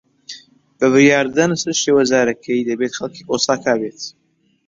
بە بڕیاردان لەسەر شێوەزارەکەی، دەبێت خەڵکی ئۆساکا بێت.